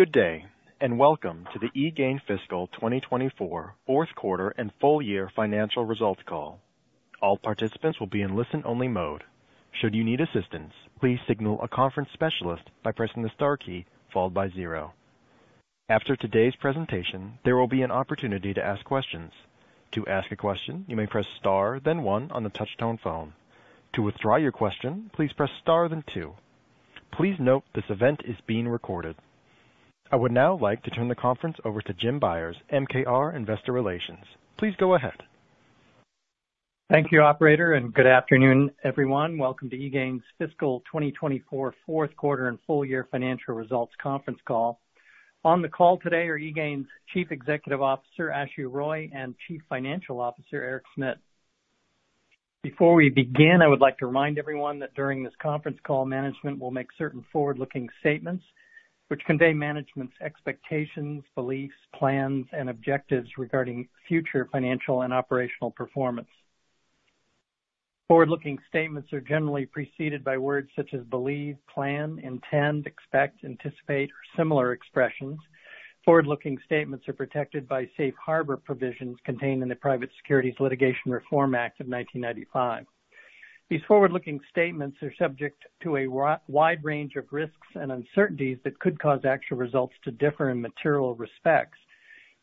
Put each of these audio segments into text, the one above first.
Good day, and welcome to the eGain Fiscal 2024 Fourth Quarter and Full Year Financial Results Call. All participants will be in listen-only mode. Should you need assistance, please signal a conference specialist by pressing the star key followed by zero. After today's presentation, there will be an opportunity to ask questions. To ask a question, you may press star, then one on the touch tone phone. To withdraw your question, please press star, then two. Please note, this event is being recorded. I would now like to turn the conference over to Jim Byers, MKR Investor Relations. Please go ahead. Thank you, operator, and good afternoon, everyone. Welcome to eGain's Fiscal 2024 Fourth Quarter and Full Year Financial Results conference call. On the call today are eGain's Chief Executive Officer, Ashu Roy, and Chief Financial Officer, Eric Smit. Before we begin, I would like to remind everyone that during this conference call, management will make certain forward-looking statements which convey management's expectations, beliefs, plans, and objectives regarding future financial and operational performance. Forward-looking statements are generally preceded by words such as believe, plan, intend, expect, anticipate, or similar expressions. Forward-looking statements are protected by Safe Harbor provisions contained in the Private Securities Litigation Reform Act of nineteen ninety-five. These forward-looking statements are subject to a wide range of risks and uncertainties that could cause actual results to differ in material respects.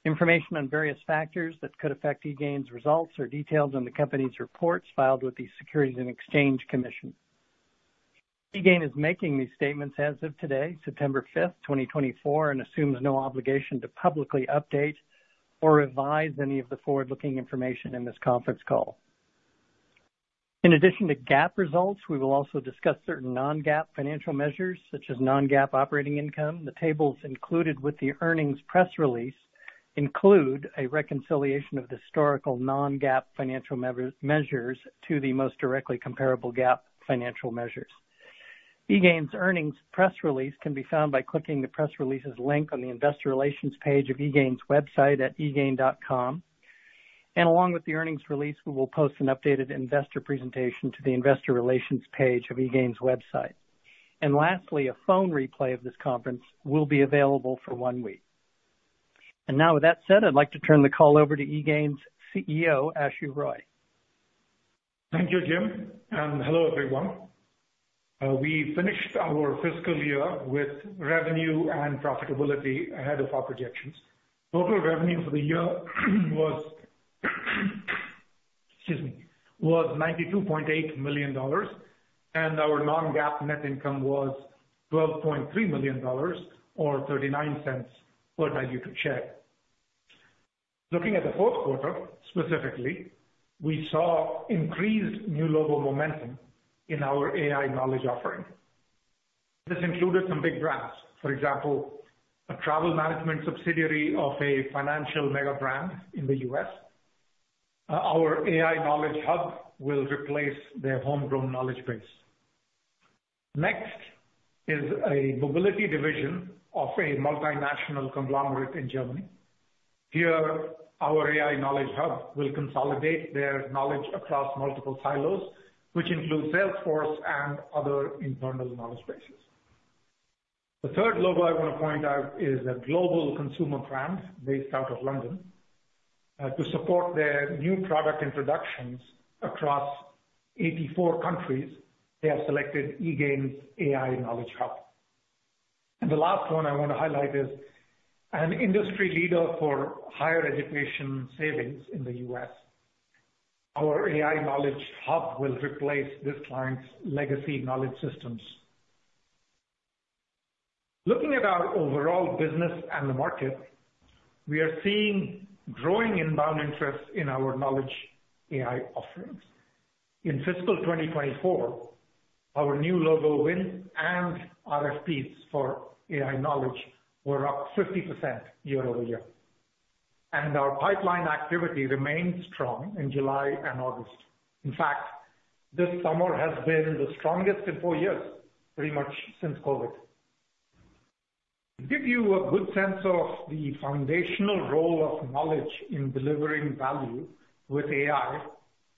Information on various factors that could affect eGain's results are detailed in the company's reports filed with the Securities and Exchange Commission. eGain is making these statements as of today, September fifth, 2024, and assumes no obligation to publicly update or revise any of the forward-looking information in this conference call. In addition to GAAP results, we will also discuss certain non-GAAP financial measures, such as non-GAAP operating income. The tables included with the earnings press release include a reconciliation of historical non-GAAP financial measures to the most directly comparable GAAP financial measures. eGain's earnings press release can be found by clicking the press releases link on the investor relations page of eGain's website at egain.com, and along with the earnings release, we will post an updated investor presentation to the investor relations page of eGain's website. And lastly, a phone replay of this conference will be available for one week. And now, with that said, I'd like to turn the call over to eGain's CEO, Ashu Roy. Thank you, Jim, and hello, everyone. We finished our fiscal year with revenue and profitability ahead of our projections. Total revenue for the year was, excuse me, $92.8 million, and our Non-GAAP net income was $12.3 million or $0.39 per diluted share. Looking at the fourth quarter specifically, we saw increased new logo momentum in our AI Knowledge offerings. This included some big brands. For example, a travel management subsidiary of a financial mega brand in the U.S. Our AI Knowledge Hub will replace their homegrown knowledge base. Next is a mobility division of a multinational conglomerate in Germany. Here, our AI Knowledge Hub will consolidate their knowledge across multiple silos, which include Salesforce and other internal knowledge bases. The third logo I wanna point out is a global consumer brand based out of London. To support their new product introductions across 84 countries, they have selected eGain's AI Knowledge Hub, and the last one I wanna highlight is an industry leader for higher education savings in the US. Our AI Knowledge Hub will replace this client's legacy knowledge systems. Looking at our overall business and the market, we are seeing growing inbound interest in our Knowledge AI offerings. In fiscal 2024, our new logo wins and RFPs for AI Knowledge were up 50% year over year, and our pipeline activity remained strong in July and August. In fact, this summer has been the strongest in four years, pretty much since COVID. To give you a good sense of the foundational role of knowledge in delivering value with AI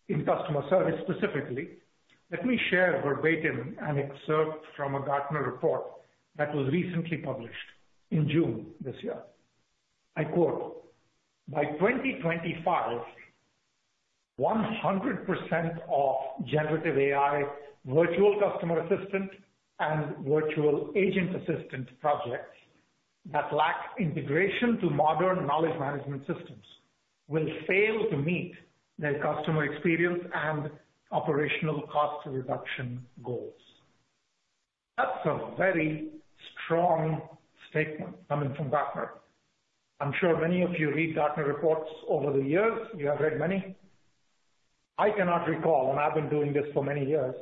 in customer service specifically, let me share verbatim an excerpt from a Gartner report that was recently published in June this year. I quote, "By 2025, 100% of generative AI virtual customer assistant and virtual agent assistant projects that lack integration to modern knowledge management systems will fail to meet their customer experience and operational cost reduction goals." That's a very strong statement coming from Gartner. I'm sure many of you read Gartner reports over the years, you have read many. I cannot recall, and I've been doing this for many years,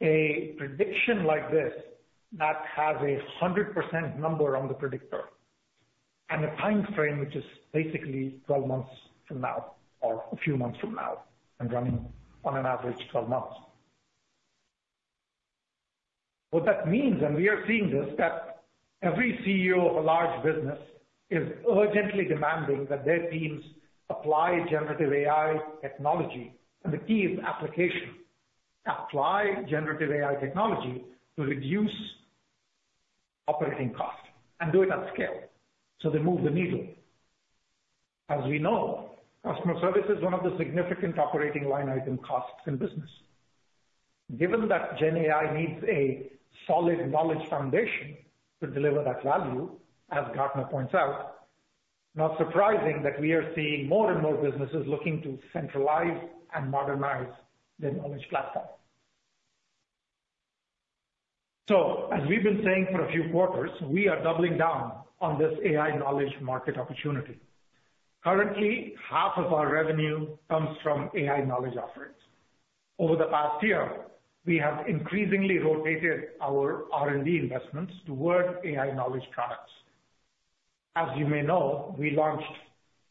a prediction like this that has a 100% number on the predictor, and a timeframe which is basically 12 months from now, or a few months from now, and running on an average 12 months. What that means, and we are seeing this, that every CEO of a large business is urgently demanding that their teams apply generative AI technology, and the key is application... Apply generative AI technology to reduce operating costs and do it at scale, so they move the needle. As we know, customer service is one of the significant operating line item costs in business. Given that GenAI needs a solid knowledge foundation to deliver that value, as Gartner points out, not surprising that we are seeing more and more businesses looking to centralize and modernize their knowledge platform. So as we've been saying for a few quarters, we are doubling down on this AI knowledge market opportunity. Currently, half of our revenue comes from AI knowledge offerings. Over the past year, we have increasingly rotated our R&D investments toward AI knowledge products. As you may know, we launched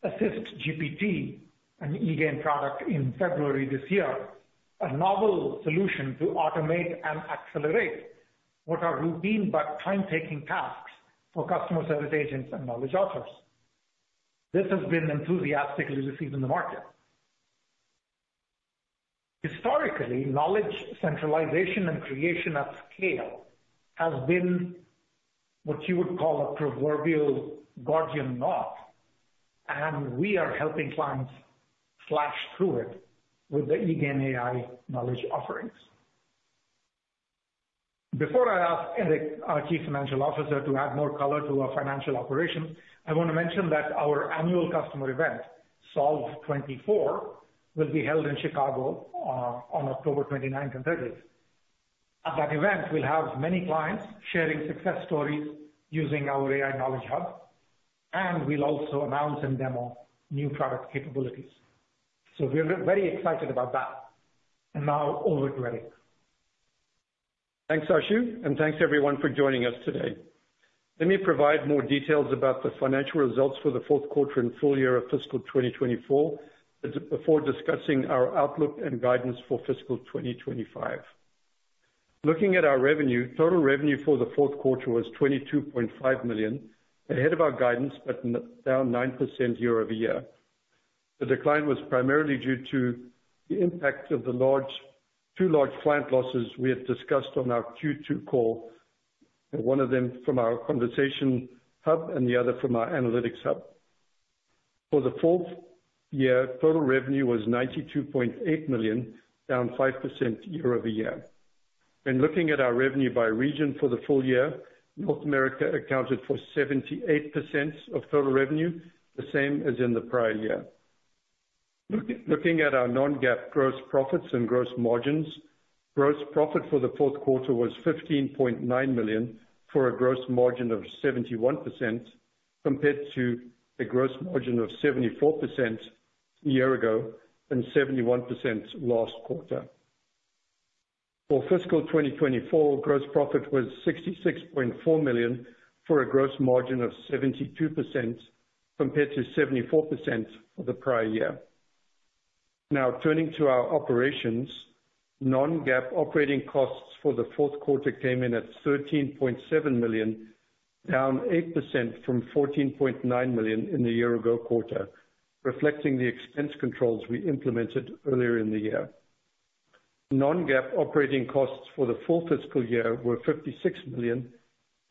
AssistGPT, an eGain product, in February this year, a novel solution to automate and accelerate what are routine but time-taking tasks for customer service agents and knowledge authors. This has been enthusiastically received in the market. Historically, knowledge centralization and creation at scale has been what you would call a proverbial Gordian knot, and we are helping clients slash through it with the eGain AI knowledge offerings. Before I ask Eric, our Chief Financial Officer, to add more color to our financial operation, I want to mention that our annual customer event, Solve 24, will be held in Chicago on October 29th and 30th. At that event, we'll have many clients sharing success stories using our AI Knowledge Hub, and we'll also announce and demo new product capabilities. So we're very excited about that. And now over to Eric. Thanks, Ashu, and thanks, everyone, for joining us today. Let me provide more details about the financial results for the fourth quarter and full year of fiscal 2024 before discussing our outlook and guidance for fiscal 2025. Looking at our revenue, total revenue for the fourth quarter was $22.5 million, ahead of our guidance, but down 9% year-over-year. The decline was primarily due to the impact of the two large client losses we had discussed on our Q2 call, and one of them from our Conversation Hub and the other from our Analytics Hub. For the full year, total revenue was $92.8 million, down 5% year-over-year. When looking at our revenue by region for the full year, North America accounted for 78% of total revenue, the same as in the prior year. Looking at our non-GAAP gross profits and gross margins, gross profit for the fourth quarter was $15.9 million, for a gross margin of 71%, compared to a gross margin of 74% a year ago, and 71% last quarter. For fiscal 2024, gross profit was $66.4 million, for a gross margin of 72%, compared to 74% for the prior year. Now, turning to our operations, non-GAAP operating costs for the fourth quarter came in at $13.7 million, down 8% from $14.9 million in the year ago quarter, reflecting the expense controls we implemented earlier in the year. Non-GAAP operating costs for the full fiscal year were $56 million,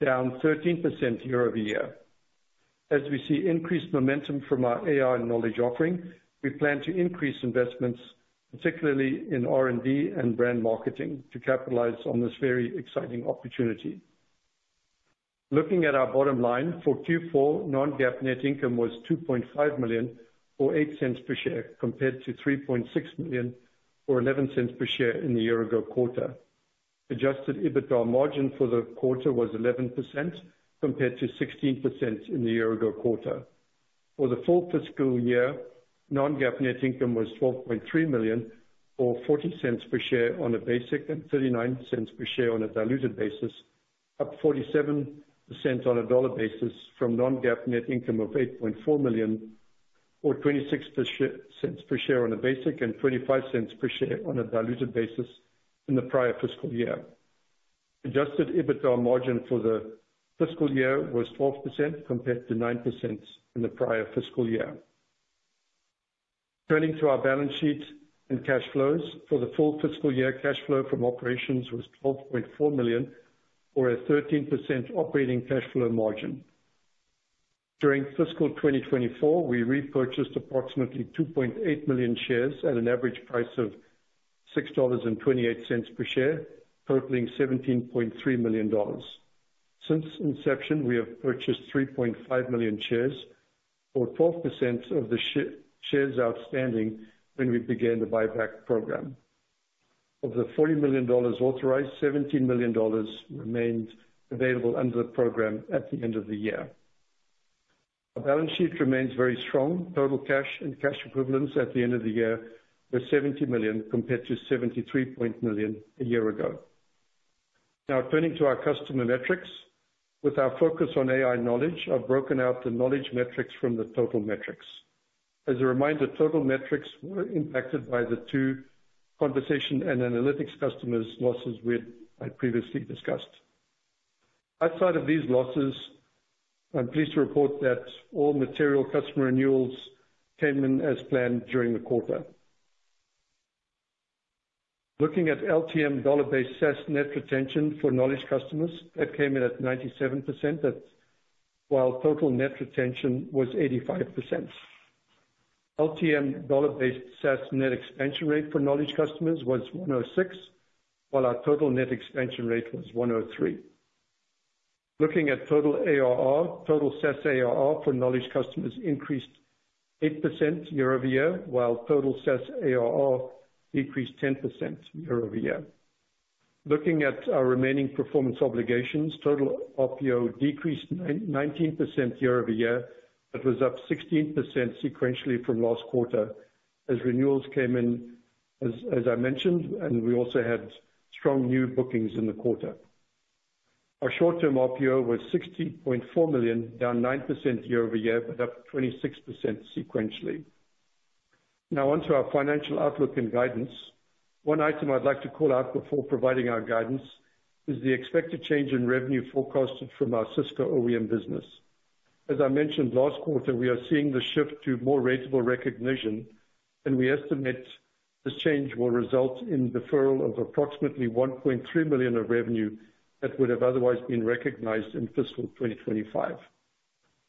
down 13% year-over-year. As we see increased momentum from our AI knowledge offering, we plan to increase investments, particularly in R&D and brand marketing, to capitalize on this very exciting opportunity. Looking at our bottom line, for Q4, non-GAAP net income was $2.5 million, or $0.08 per share, compared to $3.6 million, or $0.11 per share in the year ago quarter. Adjusted EBITDA margin for the quarter was 11%, compared to 16% in the year ago quarter. For the full fiscal year, non-GAAP net income was $12.3 million, or $0.40 per share on a basic and $0.39 per share on a diluted basis, up $0.47 on a dollar basis from non-GAAP net income of $8.4 million, or $0.26 cents per share on a basic and $0.25 cents per share on a diluted basis in the prior fiscal year. Adjusted EBITDA margin for the fiscal year was 12%, compared to 9% in the prior fiscal year. Turning to our balance sheet and cash flows. For the full fiscal year, cash flow from operations was $12.4 million, or a 13% operating cash flow margin. During fiscal 2024, we repurchased approximately 2.8 million shares at an average price of $6.28 per share, totaling $17.3 million. Since inception, we have purchased 3.5 million shares, or 12% of the shares outstanding when we began the buyback program. Of the $40 million authorized, $17 million remains available under the program at the end of the year. Our balance sheet remains very strong. Total cash and cash equivalents at the end of the year were $70 million, compared to $73 million a year ago. Now, turning to our customer metrics. With our focus on AI Knowledge, I've broken out the knowledge metrics from the total metrics. As a reminder, total metrics were impacted by the two Conversation and Analytics customers' losses we had, I previously discussed. Outside of these losses, I'm pleased to report that all material customer renewals came in as planned during the quarter. Looking at LTM dollar-based SaaS net retention for Knowledge customers, that came in at 97%, while total net retention was 85%. LTM dollar-based SaaS net expansion rate for Knowledge customers was 106, while our total net expansion rate was 103. Looking at total ARR, total SaaS ARR for Knowledge customers increased 8% year-over-year, while total SaaS ARR decreased 10% year-over-year. Looking at our remaining performance obligations, total RPO decreased 19% year-over-year, but was up 16% sequentially from last quarter as renewals came in, as I mentioned, and we also had strong new bookings in the quarter. Our short-term RPO was $60.4 million, down 9% year-over-year, but up 26% sequentially. Now on to our financial outlook and guidance. One item I'd like to call out before providing our guidance is the expected change in revenue forecasted from our Cisco OEM business. As I mentioned last quarter, we are seeing the shift to more ratable recognition, and we estimate this change will result in deferral of approximately $1.3 million of revenue that would have otherwise been recognized in fiscal 2025.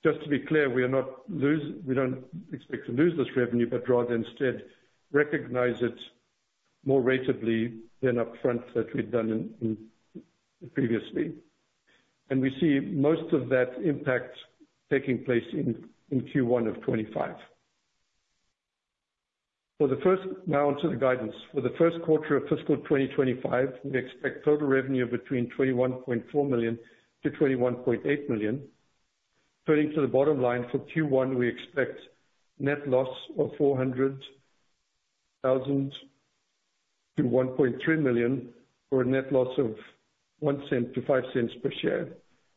Just to be clear, we don't expect to lose this revenue, but rather instead recognize it more ratably than upfront that we've done in previously. And we see most of that impact taking place in Q1 of 2025. Now on to the guidance. For the first quarter of fiscal 2025, we expect total revenue between $21.4 million to $21.8 million. Turning to the bottom line, for Q1, we expect net loss of $400,000-$1.3 million, or a net loss of $0.01-$0.05 per share,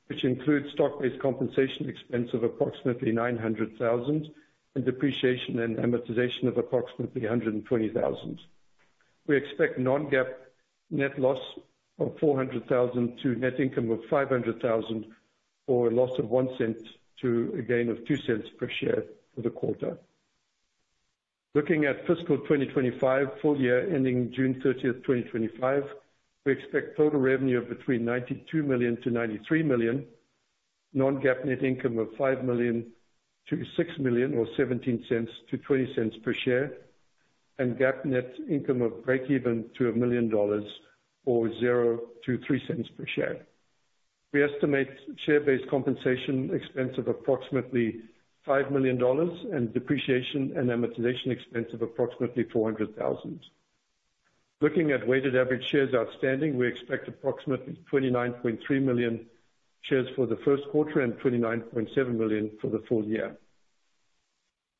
which includes stock-based compensation expense of approximately $900,000, and depreciation and amortization of approximately $120,000. We expect non-GAAP net loss of $400,000 to net income of $500,000 or a loss of $0.01 to a gain of $0.02 per share for the quarter. Looking at fiscal 2025, full year ending June 30, 2025, we expect total revenue of between $92 million to $93 million, non-GAAP net income of $5 million-$6 million, or $0.17-$0.20 per share, and GAAP net income of breakeven to $1 million or $0.00-$0.03 per share. We estimate share-based compensation expense of approximately $5 million, and depreciation and amortization expense of approximately $400,000. Looking at weighted average shares outstanding, we expect approximately 29.3 million shares for the first quarter and 29.7 million for the full year.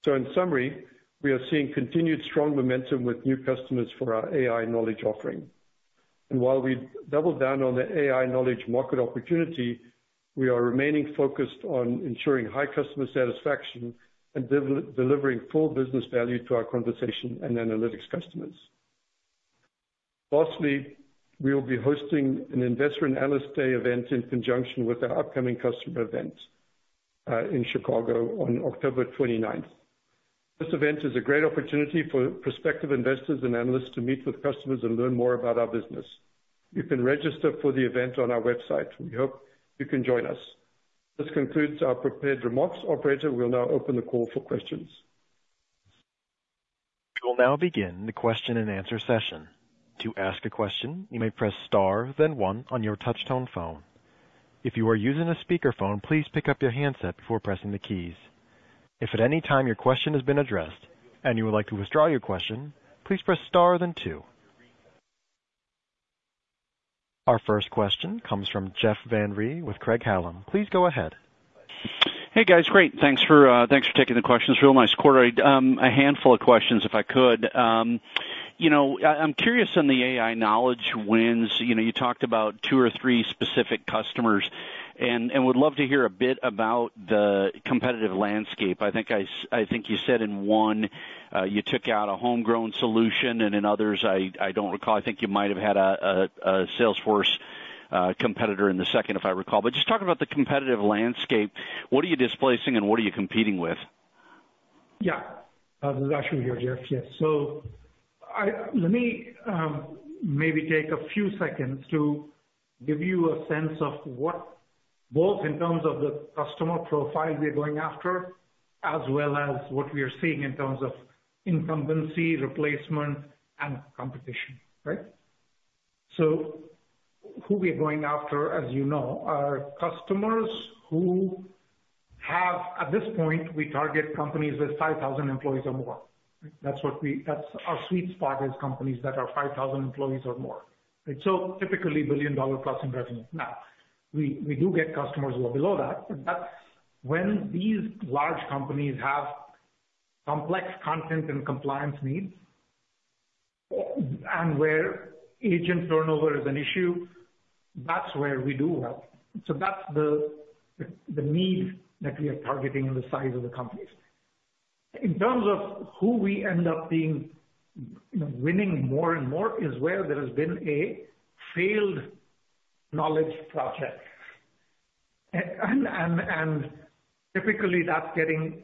So in summary, we are seeing continued strong momentum with new customers for our AI Knowledge offering. And while we double down on the AI Knowledge market opportunity, we are remaining focused on ensuring high customer satisfaction and delivering full business value to our conversation and analytics customers. Lastly, we will be hosting an investor and analyst day event in conjunction with our upcoming customer event in Chicago on October 29th. This event is a great opportunity for prospective investors and analysts to meet with customers and learn more about our business. You can register for the event on our website. We hope you can join us. This concludes our prepared remarks. Operator, we'll now open the call for questions. We will now begin the question and answer session. To ask a question, you may press star then one on your touchtone phone. If you are using a speakerphone, please pick up your handset before pressing the keys. If at any time your question has been addressed and you would like to withdraw your question, please press star then two. Our first question comes from Jeff Van Rhee with Craig-Hallum. Please go ahead. Hey, guys. Great, thanks for taking the questions. Real nice quarter. A handful of questions, if I could. You know, I'm curious on the AI Knowledge wins. You know, you talked about two or three specific customers, and would love to hear a bit about the competitive landscape. I think you said in one, you took out a homegrown solution, and in others, I don't recall. I think you might have had a Salesforce competitor in the second, if I recall. But just talk about the competitive landscape. What are you displacing, and what are you competing with? Yeah. This is Ashu here, Jeff. Yes. So let me, maybe take a few seconds to give you a sense of what, both in terms of the customer profile we are going after, as well as what we are seeing in terms of incumbency, replacement, and competition, right? So who we are going after, as you know, are customers who have... At this point, we target companies with 5,000 employees or more. That's what we- that's our sweet spot, is companies that are 5,000 employees or more. And so typically, billion-dollar plus in revenue. Now, we, we do get customers who are below that, but that's when these large companies have complex content and compliance needs, and where agent turnover is an issue, that's where we do well. So that's the need that we are targeting and the size of the companies.... In terms of who we end up being, you know, winning more and more is where there has been a failed knowledge project. And typically that's getting,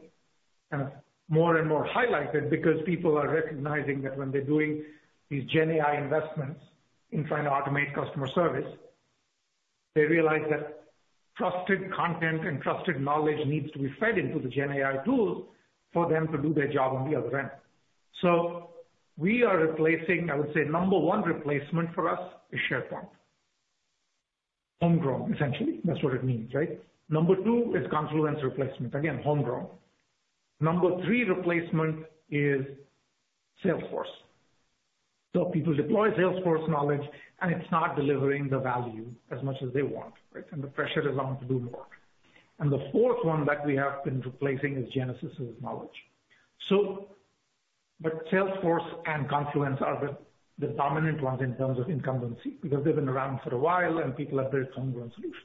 kind of, more and more highlighted because people are recognizing that when they're doing these GenAI investments in trying to automate customer service, they realize that trusted content and trusted knowledge needs to be fed into the GenAI tool for them to do their job on the other end. So we are replacing. I would say number one replacement for us is SharePoint. Homegrown, essentially, that's what it means, right? Number two is Confluence replacement. Again, homegrown. Number three replacement is Salesforce. So people deploy Salesforce Knowledge, and it's not delivering the value as much as they want, right? And the fourth one that we have been replacing is Genesys's Knowledge. But Salesforce and Confluence are the dominant ones in terms of incumbency, because they've been around for a while, and people have built homegrown solutions.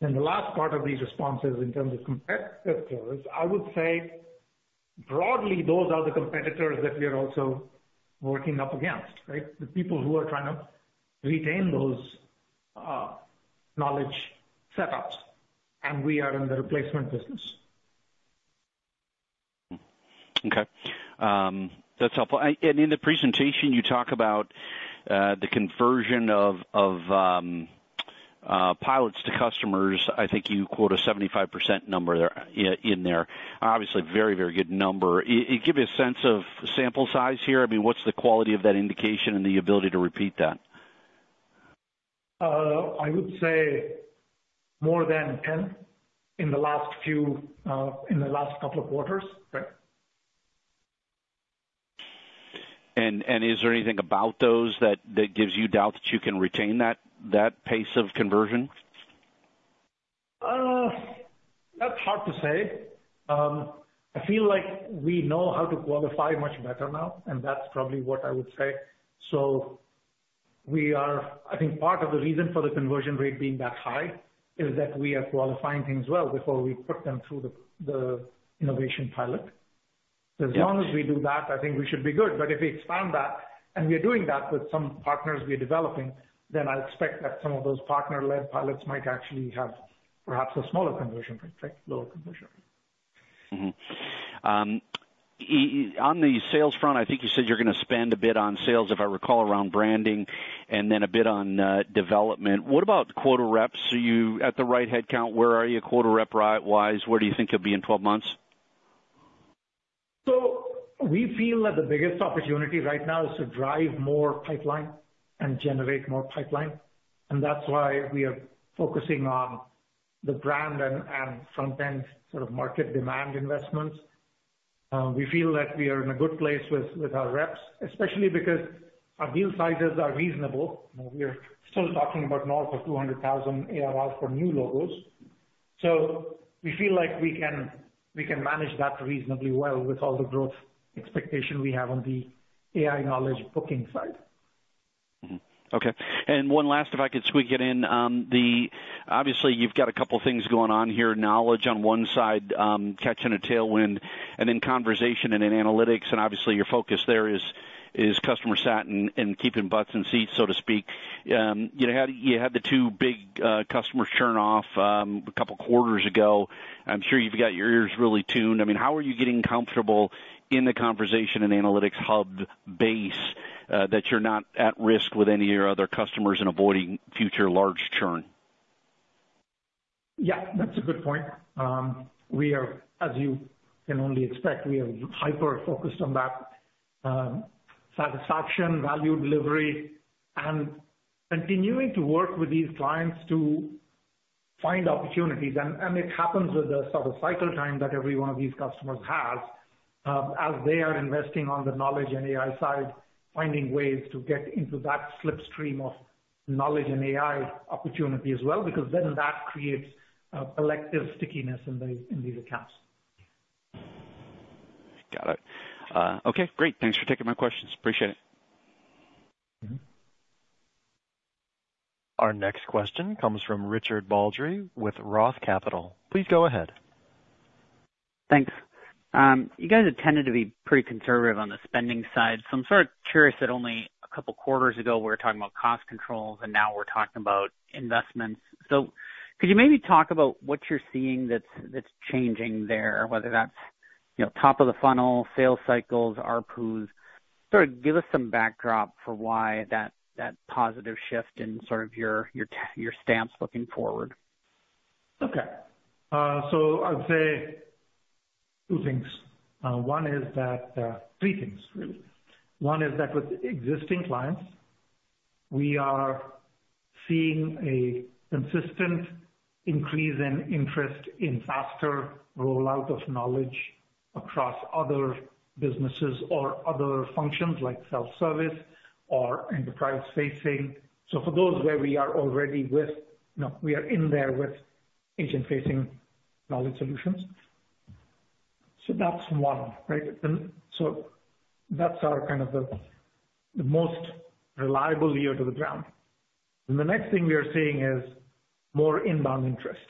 Then the last part of these responses in terms of competitors, I would say broadly, those are the competitors that we are also working up against, right? The people who are trying to retain those knowledge setups, and we are in the replacement business. Okay. That's helpful. And in the presentation, you talk about the conversion of pilots to customers. I think you quote a 75% number there, in there. Obviously, very, very good number. You give a sense of sample size here? I mean, what's the quality of that indication and the ability to repeat that? I would say more than 10 in the last few, in the last couple of quarters. Right. Is there anything about those that gives you doubt that you can retain that pace of conversion? That's hard to say. I feel like we know how to qualify much better now, and that's probably what I would say. So we are I think part of the reason for the conversion rate being that high is that we are qualifying things well before we put them through the innovation pilot. Yeah. As long as we do that, I think we should be good. But if we expand that, and we are doing that with some partners we are developing, then I expect that some of those partner-led pilots might actually have perhaps a smaller conversion rate, right? Lower conversion. Mm-hmm. On the sales front, I think you said you're gonna spend a bit on sales, if I recall, around branding and then a bit on development. What about quota reps? Are you at the right headcount? Where are you quota rep right now, where do you think you'll be in 12 months? We feel that the biggest opportunity right now is to drive more pipeline and generate more pipeline, and that's why we are focusing on the brand and front-end sort of market demand investments. We feel that we are in a good place with our reps, especially because our deal sizes are reasonable. We are still talking about north of 200,000 ARR for new logos. We feel like we can manage that reasonably well with all the growth expectation we have on the AI knowledge booking side. Mm-hmm. Okay, and one last if I could squeak it in. Obviously, you've got a couple things going on here, knowledge on one side, catching a tailwind, and then conversation and then analytics. And obviously, your focus there is customer sat and keeping butts in seats, so to speak. You know, how you had the two big customer churn off a couple quarters ago. I'm sure you've got your ears really tuned. I mean, how are you getting comfortable in the conversation and analytics hub base that you're not at risk with any of your other customers and avoiding future large churn? Yeah, that's a good point. We are, as you can only expect, we are hyper-focused on that, satisfaction, value delivery, and continuing to work with these clients to find opportunities. And it happens with the sort of cycle time that every one of these customers has, as they are investing on the knowledge and AI side, finding ways to get into that slipstream of knowledge and AI opportunity as well, because then that creates, elective stickiness in these accounts. Got it. Okay, great. Thanks for taking my questions. Appreciate it. Mm-hmm. Our next question comes from Richard Baldry with Roth Capital. Please go ahead. Thanks. You guys have tended to be pretty conservative on the spending side, so I'm sort of curious that only a couple quarters ago we were talking about cost controls, and now we're talking about investments. So could you maybe talk about what you're seeing that's changing there, whether that's, you know, top of the funnel, sales cycles, ARPU. Sort of give us some backdrop for why that positive shift in sort of your stance looking forward. Okay. So I would say two things. One is that, three things really. One is that with existing clients, we are seeing a consistent increase in interest in faster rollout of knowledge across other businesses or other functions, like self-service or enterprise-facing. So for those where we are already with, you know, we are in there with agent-facing knowledge solutions. So that's one, right? So that's our kind of the most reliable ear to the ground.... And the next thing we are seeing is more inbound interest,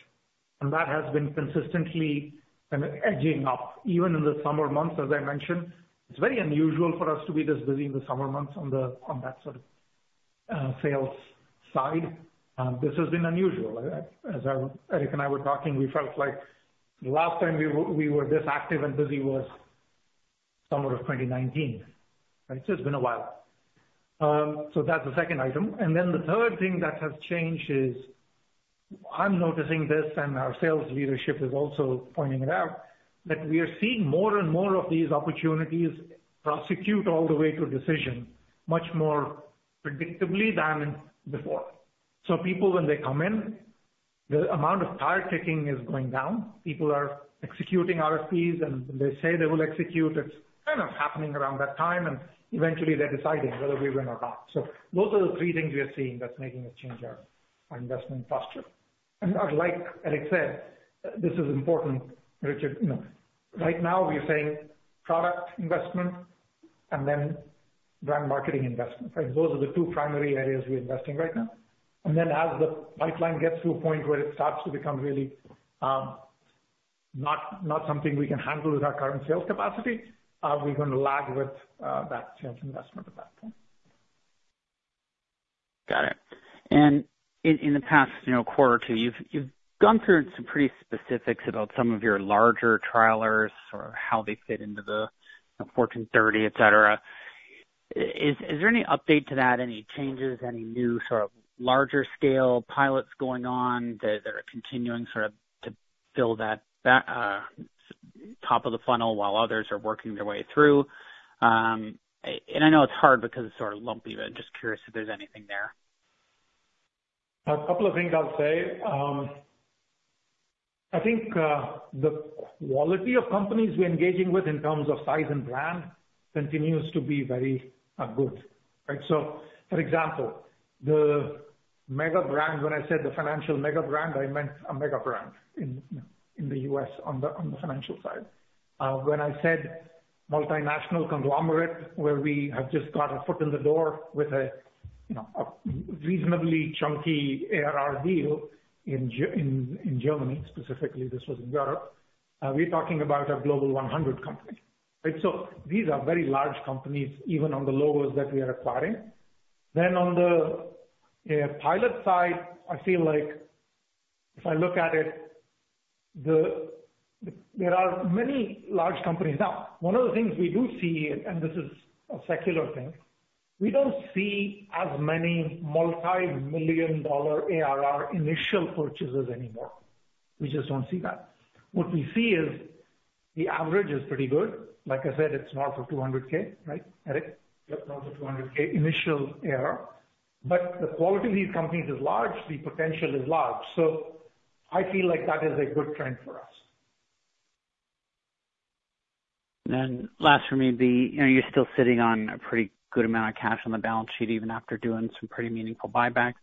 and that has been consistently kind of edging up even in the summer months, as I mentioned. It's very unusual for us to be this busy in the summer months on that sort of sales side. This has been unusual. As Eric and I were talking, we felt like the last time we were this active and busy was summer of 2019. Right? So it's been a while. So that's the second item. And then the third thing that has changed is, I'm noticing this, and our sales leadership is also pointing it out, that we are seeing more and more of these opportunities prosecute all the way to a decision, much more predictably than before. So people, when they come in, the amount of tire kicking is going down. People are executing RFPs, and when they say they will execute, it's kind of happening around that time, and eventually they're deciding whether we win or not. So those are the three things we are seeing that's making a change our investment posture. And like Eric said, this is important, Richard. You know, right now we are saying product investment and then brand marketing investment. Right? Those are the two primary areas we're investing right now. And then as the pipeline gets to a point where it starts to become really not something we can handle with our current sales capacity, are we going to lag with that sales investment at that point? Got it. And in the past, you know, quarter or two, you've gone through some pretty specifics about some of your larger trials or how they fit into the Fortune 30, etc. Is there any update to that? Any changes, any new sort of larger scale pilots going on that are continuing sort of to build that back, top of the funnel, while others are working their way through? And I know it's hard because it's sort of lumpy, but just curious if there's anything there. A couple of things I'll say. I think, the quality of companies we're engaging with in terms of size and brand continues to be very, good. Right? So, for example, the mega brand, when I said the financial mega brand, I meant a mega brand in the U.S. on the financial side. When I said multinational conglomerate, where we have just got our foot in the door with a, you know, a reasonably chunky ARR deal in Germany, specifically, this was in Europe. We're talking about a global one hundred company, right? So these are very large companies, even on the logos that we are acquiring. Then on the pilot side, I feel like if I look at it, there are many large companies. Now, one of the things we do see, and this is a secular thing, we don't see as many multimillion dollar ARR initial purchases anymore. We just don't see that. What we see is the average is pretty good. Like I said, it's north of $200K, right, Eric? Yep. north of 200K initial ARR, but the quality of these companies is large, the potential is large, so I feel like that is a good trend for us. And last for me, you know, you're still sitting on a pretty good amount of cash on the balance sheet, even after doing some pretty meaningful buybacks.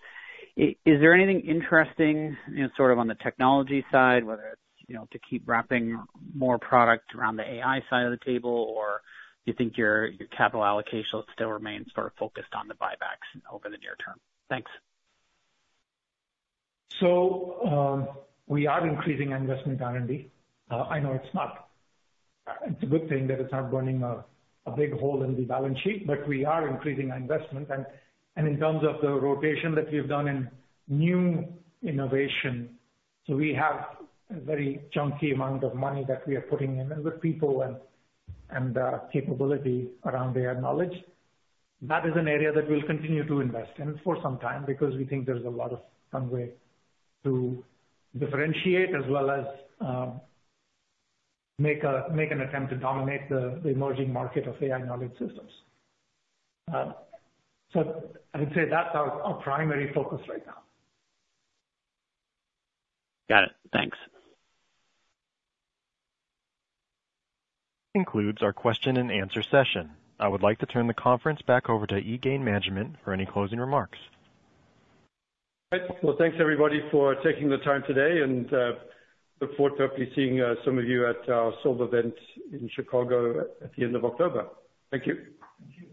Is there anything interesting, you know, sort of on the technology side, whether it's, you know, to keep wrapping more product around the AI side of the table, or you think your capital allocation still remains sort of focused on the buybacks over the near term? Thanks. So, we are increasing investment in R&D. I know it's not. It's a good thing that it's not burning a big hole in the balance sheet, but we are increasing our investment and in terms of the rotation that we've done in new innovation. So we have a very chunky amount of money that we are putting in, and good people and capability around AI Knowledge. That is an area that we'll continue to invest in for some time, because we think there's a lot of runway to differentiate as well as make an attempt to dominate the emerging market of AI Knowledge systems. So I would say that's our primary focus right now. Got it. Thanks. This concludes our question and answer session. I would like to turn the conference back over to eGain Management for any closing remarks. Well, thanks, everybody, for taking the time today and look forward to hopefully seeing some of you at our Solve event in Chicago at the end of October. Thank you. Thank you.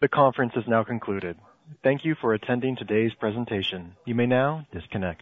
The conference is now concluded. Thank you for attending today's presentation. You may now disconnect.